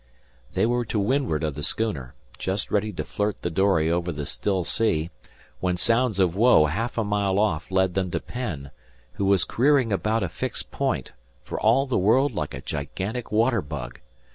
They were to windward of the schooner, just ready to flirt the dory over the still sea, when sounds of woe half a mile off led them to Penn, who was careering around a fixed point for all the world like a gigantic water bug.